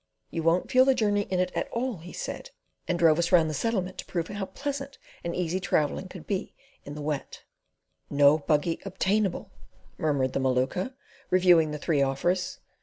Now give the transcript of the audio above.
"You won't feel the journey at all in it," he said, and drove us round the Settlement to prove how pleasant and easy travelling could be in the Wet. "No buggy obtainable," murmured the Maluka, reviewing the three offers.